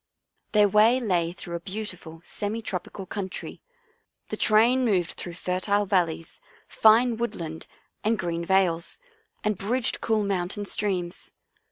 Their way lay through a beautiful semi trop ical country. The train moved through fertile valleys, fine woodland and green vales, and bridged cool mountain streams.